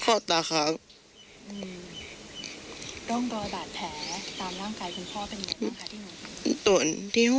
ต้องรอบาดแผลตามร่างกายคุณพ่อเป็นยังไงบ้างคะที่หนู